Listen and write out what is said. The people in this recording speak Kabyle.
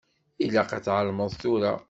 Ilaq ad ɛelmeɣ tura.